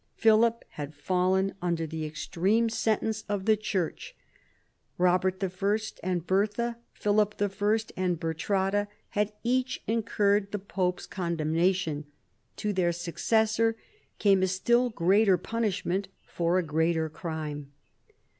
Philip had fallen under the extreme sentence of the 168 PHILIP AUGUSTUS chap. Church. Eobert I. and Bertha, Philip I. and Bertrada, had each incurred the Pope's condemnation. To their successor came a still greater punishment, for a greater crime.